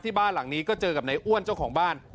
บ้านหลังนี้ก็เจอกับนายอ้วนเจ้าของบ้าน